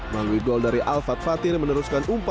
malui gol dari alfat fatir meneruskan umpan